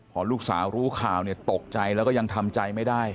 พอลูกสาวรู้ข่าวเนี่ยตกใจแล้วก็ยังทำใจไม่ได้